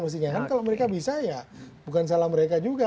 mestinya kan kalau mereka bisa ya bukan salah mereka juga